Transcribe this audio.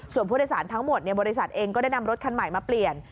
ส่วนผู้โดยสารทั้งหมดบริษัทเองก็ได้นำรถคันใหม่มาเปลี่ยน